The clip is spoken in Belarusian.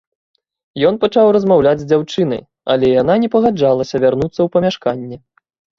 Ён пачаў размаўляць з дзяўчынай, але яна не пагаджалася вярнуцца ў памяшканне.